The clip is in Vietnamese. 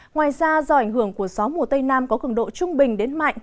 ngoài ra do ảnh hưởng của gió mùa tây nam có cường độ trung bình đến mạnh